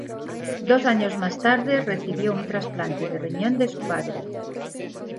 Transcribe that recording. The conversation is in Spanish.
Dos años más tarde, recibió un trasplante de riñón de su padre.